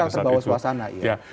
mungkin terbawa suasana